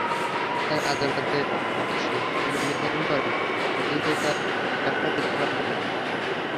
তাই আদালত এসে মূল্য নির্ধারণ করে দিলে তাঁরা ব্যবসা করতে পারবেন না।